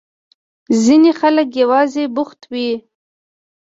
ځينې خلک يوازې بوخت وي.